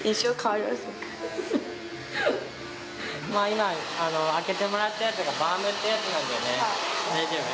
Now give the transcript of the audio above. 今開けてもらったやつがバームってやつなんだよね大丈夫？